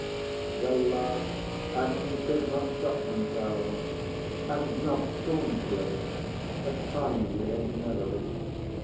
They laughed and could not stop themselves, and not scornfully, but kindly and merrily.